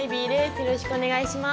よろしくお願いします。